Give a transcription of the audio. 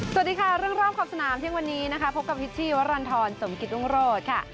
สวัสดีค่ะเรื่องรอบขอบสนามเที่ยงวันนี้นะคะพบกับพิษชีวรรณฑรสมกิตรุงโรธค่ะ